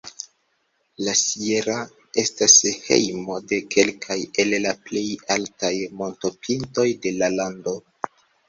La "sierra" estas hejmo de kelkaj el la plej altaj montopintoj de la lando.